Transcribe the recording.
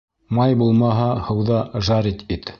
Май булмаһа, һыуҙа «жарить» ит.